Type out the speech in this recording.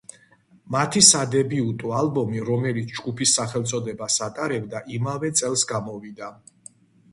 მათი სადებიუტო ალბომი, რომელიც ჯგუფის სახელწოდებას ატარებდა, იმავე წელს გამოვიდა.